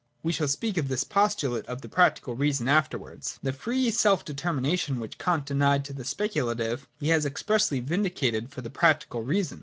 We shall speak of this postulate of the Practical Reason afterwards. The free self determination which Kant denied to the speculative, he has expressly vindicated for the practical reason.